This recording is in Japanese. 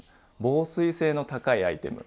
防水性の高いアイテム